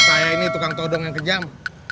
saya ini tukang todong yang kejam